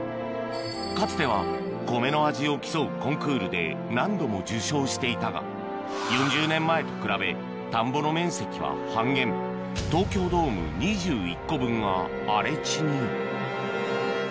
かつては米の味を競うコンクールで何度も受賞していたが４０年前と比べ田んぼの面積は半減っていうことなんですね。